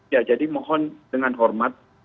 ya jadi mohon dengan hormat